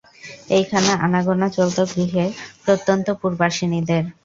এইখানে আনাগোনা চলত গৃহের প্রত্যন্তপুরবাসিনীদের।